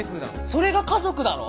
それが家族だろ！？